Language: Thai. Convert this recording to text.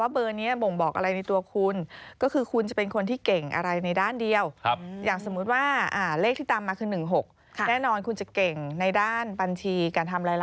ปิดไว้นิดเดียวนะครับปริม